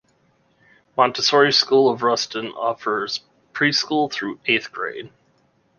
Montessori School of Ruston offers preschool through eighth grade.